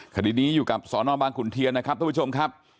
คดีนี้อยู่กับสอนอบางขุนเทียนนะครับท่านผู้ชมครับ